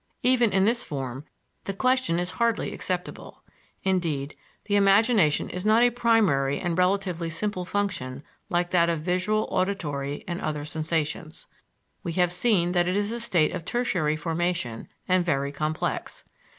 Even in this form the question is hardly acceptable. Indeed, the imagination is not a primary and relatively simple function like that of visual, auditory and other sensations. We have seen that it is a state of tertiary formation and very complex.